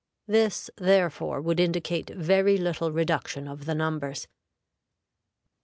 This, therefore, would indicate very little reduction of the numbers.